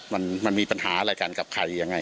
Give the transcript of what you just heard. มันมีปัญหาอะไรกันกับใครอย่างไร